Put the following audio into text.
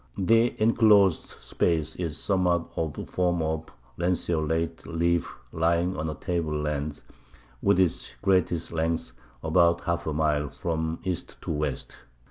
The enclosed space is somewhat of the form of a lanceolate leaf lying on the table land, with its greatest length (about half a mile) from east to west.